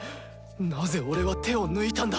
なぜ俺は手を抜いたんだ！